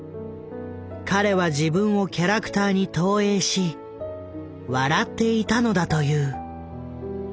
彼は自分をキャラクターに投影し笑っていたのだという。